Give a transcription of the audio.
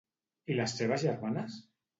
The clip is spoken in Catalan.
I les seves germanes?